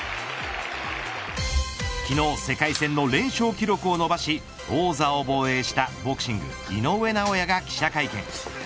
昨日、世界戦の連勝記録を伸ばし王座を防衛したボクシング井上尚弥が記者会見。